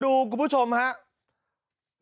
ดูกลุ่มผู้ชมฮะ